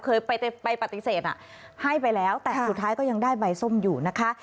เคยไปปฏิเสธให้ไปแล้วแต่สุดท้ายก็ยังได้ใบส้มอยู่นะคะ